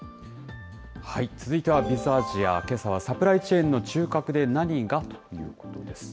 続いてはＢｉｚアジア、けさはサプライチェーンの中核で何がということです。